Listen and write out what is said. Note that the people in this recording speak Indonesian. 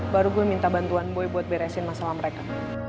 baru gue minta bantuan gue buat beresin masalah mereka